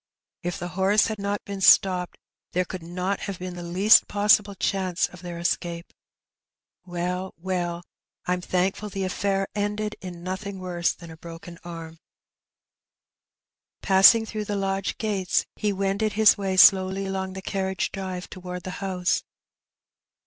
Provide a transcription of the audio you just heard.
If the horse had not been stopped there could not have been the least possible chance of their escape. Well, well, I'm thankful the affair ended in nothing worse than a broken arm.*' Passing through the lodge gates, he wended his way slowly along the carriage drive towards the house.